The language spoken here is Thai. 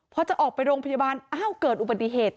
พอจะออกไปโรงพยาบาลอ้าวเกิดอุบัติเหตุ